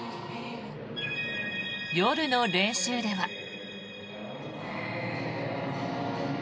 夜の練習では。